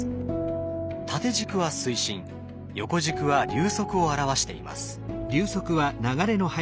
縦軸は水深横軸は流速を表しています。